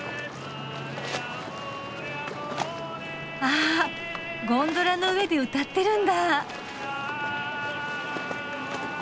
あゴンドラの上で歌ってるんだ。